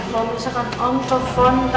mau misalkan om telepon kata citra